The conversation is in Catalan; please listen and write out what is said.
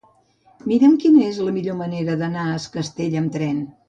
Mira'm quina és la millor manera d'anar a Es Castell amb tren.